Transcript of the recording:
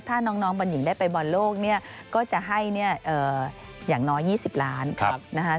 ถ้าน้องบรรยินได้ไปบรรโลกก็จะให้อย่างน้อย๒๐ล้านนะครับ